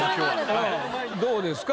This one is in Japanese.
どうですか？